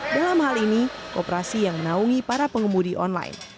dalam hal ini operasi yang menaungi para pengemudi online